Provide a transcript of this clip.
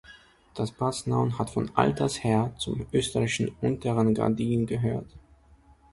Das Paznaun hatte von alters her zum österreichischen Unterengadin gehört.